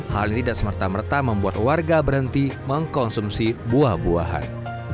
hal ini tidak semerta merta membuat warga berhenti mengkonsumsi buah buahan